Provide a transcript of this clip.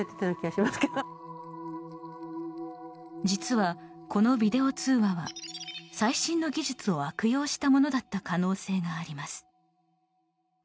実は、このビデオ通話は最新の技術を悪用したものだった可能性があります。